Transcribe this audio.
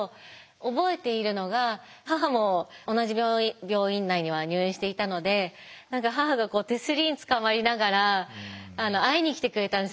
覚えているのが母も同じ病院内には入院していたので母が手すりにつかまりながら会いに来てくれたんですよ。